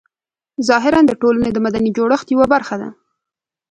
ظاهراً د ټولنې د مدني جوړښت یوه برخه ده.